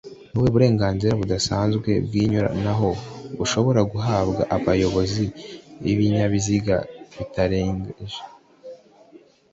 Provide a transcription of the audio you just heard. Nubuhe burenganzira budasanzwe w’inyuranaho bushobora guhabwa abayobozi b’ibinyabiziga bitarengeje , t